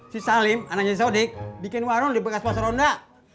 si salim anaknya saudi bikin warung di bekas pasar ronda